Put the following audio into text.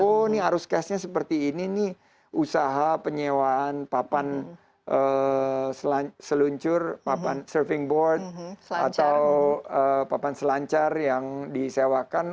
oh ini arus cashnya seperti ini nih usaha penyewaan papan seluncur papan surfing board atau papan selancar yang disewakan